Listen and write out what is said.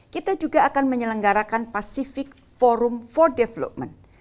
kita juga akan menyelenggarakan pacific forum for development